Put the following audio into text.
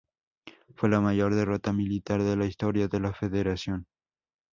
Fue la mayor derrota militar de la historia de la Federación.